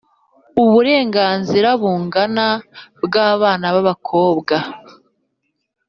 uburenganzira bungana bw’abana b’abakobwa: